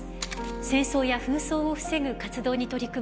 戦争や紛争を防ぐ活動に取り組むＮＰＯの代表